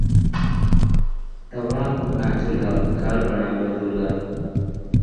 توا ناں چُلھا، گھر بݨاوے دُلا